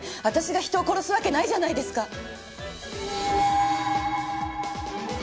私が人を殺すわけないじゃないですか！